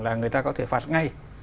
là người ta có thể phạt ngay